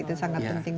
itu sangat penting